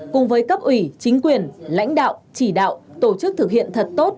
cùng với cấp ủy chính quyền lãnh đạo chỉ đạo tổ chức thực hiện thật tốt